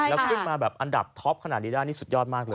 แล้วขึ้นมาแบบอันดับท็อปขนาดนี้ได้นี่สุดยอดมากเลย